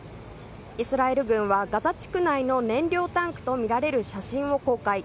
イスラエル軍はガザ地区内の燃料タンクとみられる写真を公開。